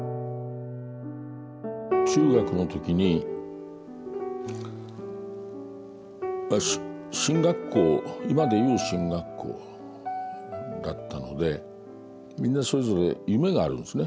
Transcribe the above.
中学の時に進学校今でいう進学校だったのでみんなそれぞれ夢があるんですね。